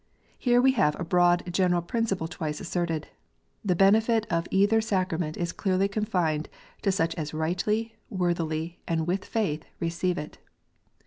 Here we have a broad general principle twice asserted. The benefit of either sacra ment is clearly confined to such as rightly, worthily, and with faith receive it.